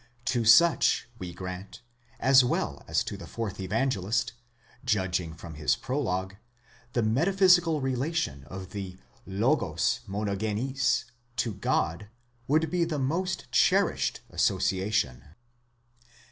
To such, we grant, as well as to the fourth Evangelist, judging from his prologue, the metaphysical relation of the λόγος μονογενὴς to God would be the most cherished association.